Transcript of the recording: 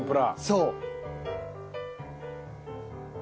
そう。